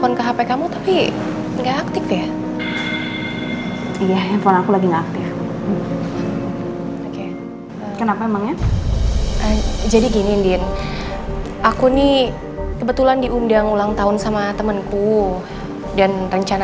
ona yang b ancora tetep pencar